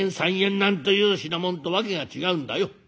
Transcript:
なんという品物とわけが違うんだよ。